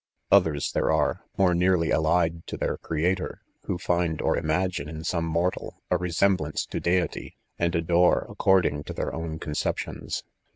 Others there are, more nearly allhd io ilizir crcaior^RO find or imagine in some moiilaL, a resemblance to Deity, and adore according to their own conceptions.